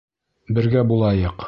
Бергә булайыҡ!